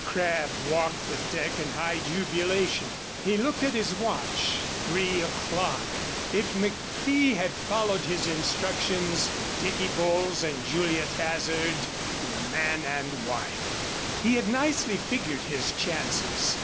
Crabb walked the deck in high jubilation. He looked at his watch. Three o'clock! If McFee had followed his instructions Dicky Bowles and Juliet Hazard were man and wife. He had nicely figured his chances.